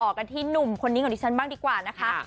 กันที่หนุ่มคนนี้ของดิฉันบ้างดีกว่านะคะ